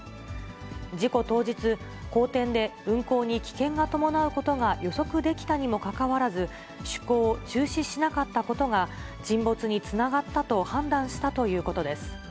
事故当日、荒天で運航に危険が伴うことが予測できたにもかかわらず、出航を中止しなかったことが、沈没につながったと判断したということです。